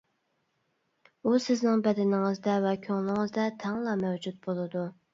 ئۇ سىزنىڭ بەدىنىڭىزدە ۋە كۆڭلىڭىزدە تەڭلا مەۋجۇت بولىدۇ.